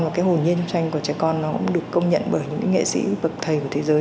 và cái hồn nhiên trong tranh của trẻ con nó cũng được công nhận bởi những cái nghệ sĩ bậc thầy của thế giới